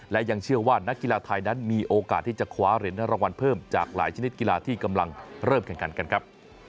และยังเชื่อว่านักกีฬาไทยนั้นมีโอกาสที่จะคว้าเหรียญรางวัลเพิ่มจากหลายชนิดกีฬาที่กำลังเริ่มแข่งขันกันครับ